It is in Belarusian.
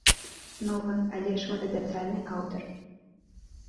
Новы, але шматабяцальны аўтар.